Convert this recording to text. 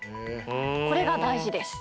これが大事です。